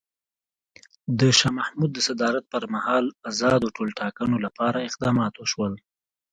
د شاه محمود د صدارت پر مهال ازادو ټولټاکنو لپاره اقدامات وشول.